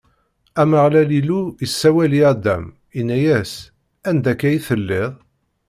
Ameɣlal Illu isawel i Adam, inna-as: Anda akka i telliḍ?